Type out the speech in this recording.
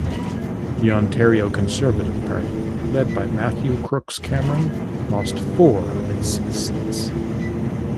The Ontario Conservative Party, led by Matthew Crooks Cameron lost four of its seats.